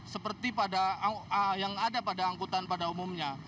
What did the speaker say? seperti yang ada pada angkutan pada umumnya